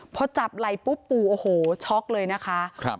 พอจับไหล่ปุ๊บปู่โอ้โหช็อกเลยนะคะ